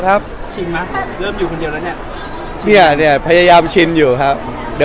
อันนี้เรื่องจริงนะ